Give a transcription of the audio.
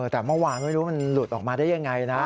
แต่เมื่อวานไม่รู้มันหลุดออกมาได้ยังไงนะ